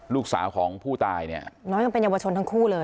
ลูกสาวของผู้ตายเนี่ยน้องยังเป็นเยาวชนทั้งคู่เลย